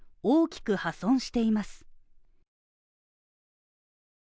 大きく破損しています。